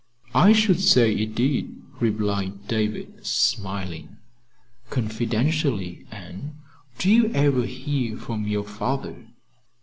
"I should say it did," replied David, smiling. "Confidentially, Anne, do you ever hear from your father?"